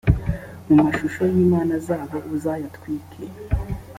amashusho y’imana zabo uzayatwike.